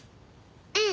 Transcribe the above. うん。